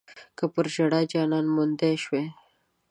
که پۀ ژړا جانان موندی شوی